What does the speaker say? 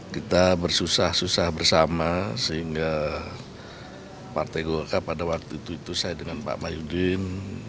kita bersusah susah bersama sehingga partai golkar pada waktu itu saya dengan pak mahyudin